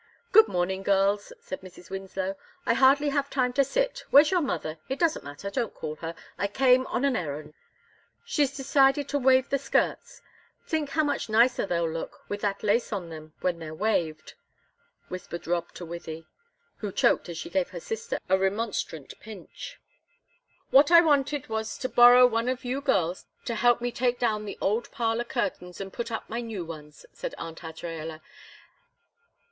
"Good morning, girls," said Mrs. Winslow. "I hardly have time to sit. Where's your mother? It doesn't matter; don't call her. I came on an errand." "She's decided to waive the skirts; think how much nicer they'll look with that lace on them when they're waved," whispered Rob to Wythie, who choked as she gave her sister a remonstrant pinch. "What I wanted was to borrow one of you girls to help me take down the old parlor curtains and put up my new ones," said Aunt Azraella.